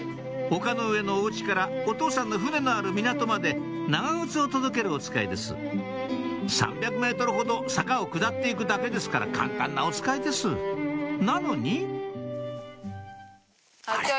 丘の上のお家からお父さんの船のある港まで長靴を届けるおつかいです３００ｍほど坂を下って行くだけですから簡単なおつかいですなのにあれ？